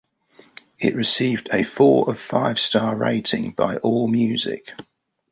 It received a four of five star rating by AllMusic.